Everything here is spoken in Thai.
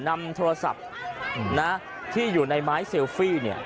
นำโทรศัพท์ที่อยู่ในไม้เซลฟี่